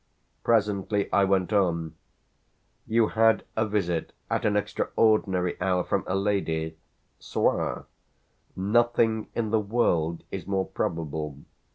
Presently I went on: "You had a visit, at an extraordinary hour, from a lady soit: nothing in the world is more probable.